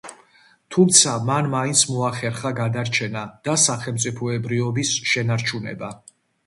თუმცა მან მაინც მოახერხა გადარჩენა და სახელმწიფოებრიობის შენარჩუნება?